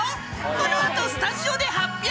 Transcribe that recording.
このあとスタジオで発表